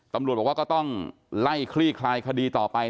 ตำรวจบอกว่าก็ต้องไล่คลี่คลายคดีต่อไป